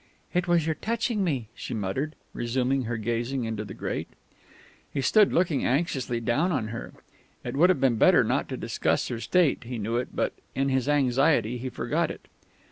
"It was your touching me," she muttered, resuming her gazing into the grate. He stood looking anxiously down on her. It would have been better not to discuss her state, and he knew it; but in his anxiety he forgot it.